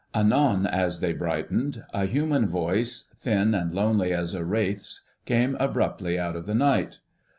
Anon as they brightened, a human voice, thin and lonely as a wraith's, came abruptly out of the night.